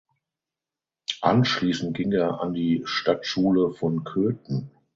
Anschließend ging er an die Stadtschule von Köthen.